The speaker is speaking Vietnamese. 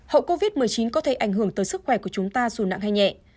hậu covid một mươi chín có thể ảnh hưởng tới sức khỏe của chúng ta dù nặng hay nhẹ